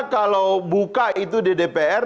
kalau buka itu di dpr